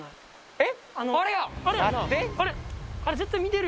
えっ。